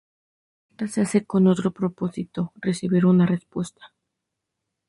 La carta se hace con otro propósito: recibir una respuesta.